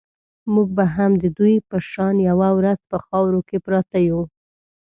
موږ به هم د دوی په شان یوه ورځ په خاورو کې پراته یو.